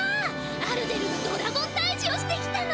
アルゼルがドラゴンたいじをしてきたの！